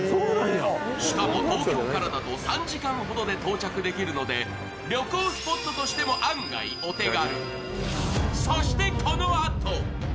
しかも東京からだと３時間ほどで到着できるので旅行スポットとしても案外お手軽。